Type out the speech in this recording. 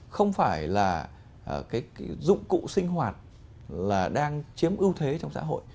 không phải là cái dụng cụ sinh hoạt là đang chiếm ưu thế trong xã hội